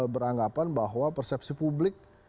beranggapan bahwa persepsi publik